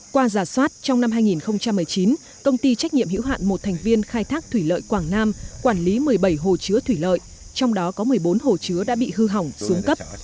qua giả soát trong năm hai nghìn một mươi chín công ty trách nhiệm hữu hạn một thành viên khai thác thủy lợi quảng nam quản lý một mươi bảy hồ chứa thủy lợi trong đó có một mươi bốn hồ chứa đã bị hư hỏng xuống cấp